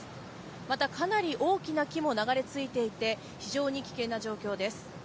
また、かなり大きな木も流れ着いていて、非常に危険な状況です。